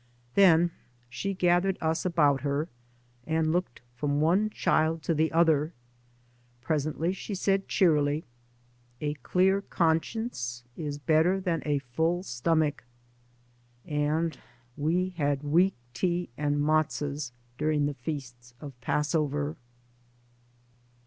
Then she gathered us about her, and looked from one child to the other. Presently she said cheerily, *' A clear conscience is better than a full stomach." And we had weak tea and metzos during the feasts of Passover.